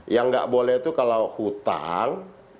yang nggak boleh itu kalau hutang